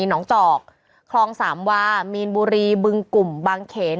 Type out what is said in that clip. หนองจอกคลองสามวามีนบุรีบึงกลุ่มบางเขน